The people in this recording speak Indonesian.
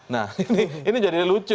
nah ini jadi lucu